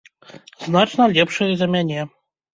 Значна лепшыя за мяне.